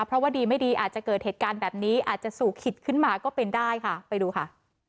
เพราะว่าดีไม่ดีอาจจะเกิดเหตุการณ์แบบนี้อาจจะสู่ขิตขึ้นมาก็เป็นได้ค่ะไปดูค่ะ